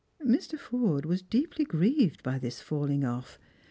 Mr. Forde was deeply grieved by this falling ofiP.